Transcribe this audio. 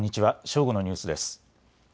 正午のニュースです。